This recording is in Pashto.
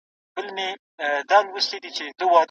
طبیعي علوم په لابراتوارونو کې خپلې څېړنې ترسره کوي.